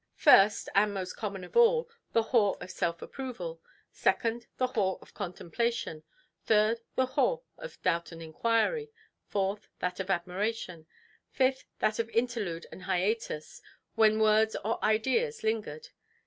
First, and most common of all, the haw of self–approval. Second, the haw of contemplation. Third, the haw of doubt and inquiry. Fourth, that of admiration. Fifth, that of interlude and hiatus, when words or ideas lingered.